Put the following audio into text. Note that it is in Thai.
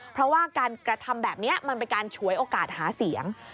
เพราะว่าการกระทำแบบนี้มันเป็นการฉวยโอกาสหาเสียง